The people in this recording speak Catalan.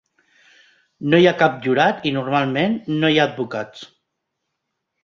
No hi ha cap jurat i normalment no hi ha advocats.